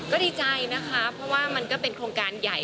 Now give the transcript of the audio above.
ก็ดีใจนะคะเพราะว่ามันก็เป็นโครงการใหญ่